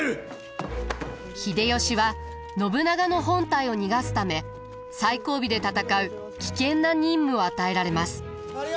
秀吉は信長の本隊を逃がすため最後尾で戦う危険な任務を与えられます。